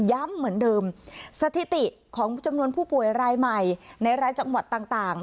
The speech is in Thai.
เหมือนเดิมสถิติของจำนวนผู้ป่วยรายใหม่ในรายจังหวัดต่าง